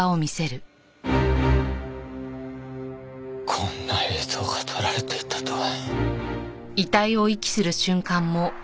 こんな映像が撮られていたとは。